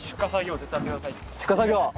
出荷作業。